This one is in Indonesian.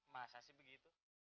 masa sih begitu